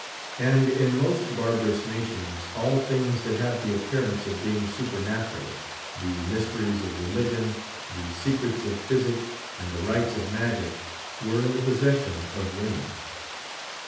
And in most })arbarous nations all things that have the appearance of being supernatural, the mysteries of religion, the secrets of ph3'sic, and the rights of magic, were in the possession of women.